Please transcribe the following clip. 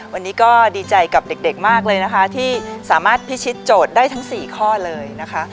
วันนี้ก็ดีใจกับเด็กมากเลยนะคะที่สามารถพิชิตโจทย์ได้ทั้ง๔ข้อเลยนะคะ